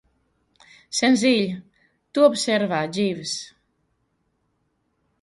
Senzill, tu observa, Jeeves.